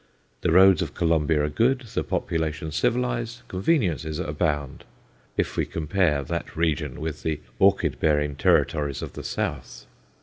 The roads of Colombia are good, the population civilized, conveniences abound, if we compare that region with the orchid bearing territories of the south.